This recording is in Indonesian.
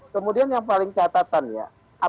kemudian yang paling catatan ya